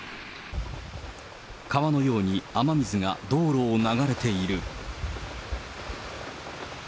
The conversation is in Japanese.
川のように雨水が道路を流れている。